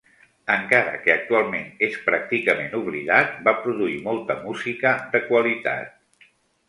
Encara que actualment és pràcticament oblidat, va produir molta música de qualitat.